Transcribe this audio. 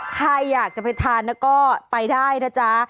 ใครอยากจะไปทานแล้วก็ไปได้นะจ๊ะ